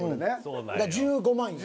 １５万よ。